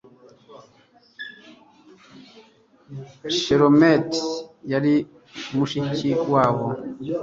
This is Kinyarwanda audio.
shelomiti yari mushiki wabo